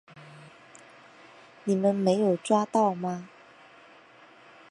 你们没有抓到吗？